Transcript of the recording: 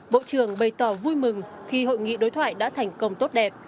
bộ trưởng bày tỏ vui mừng khi hội nghị đối thoại đã thành công tốt đẹp